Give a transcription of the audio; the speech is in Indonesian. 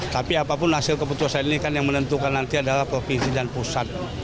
tapi apapun hasil keputusan ini kan yang menentukan nanti adalah provinsi dan pusat